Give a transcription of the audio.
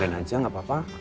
sekalian aja gak apa apa